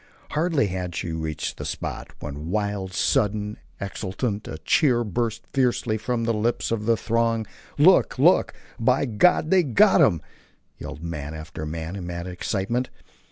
Hardly had she reached the spot when wild, sudden, exultant, a cheer burst fiercely from the lips of the throng. "Look!" "Look!" "By God, they've got 'em!" yelled man after man, in mad excitement.